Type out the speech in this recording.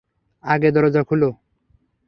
আগে দরজা খুলো।